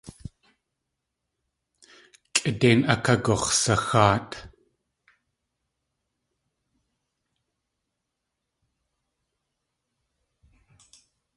Kʼidéin akagux̲saxáat.